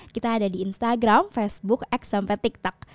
kita ada di instagram facebook x sampai tiktok